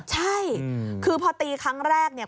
ใช่คือพอตีครั้งแรกเนี่ย